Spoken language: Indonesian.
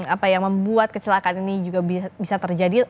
apa yang membuat kecelakaan ini juga bisa terjadi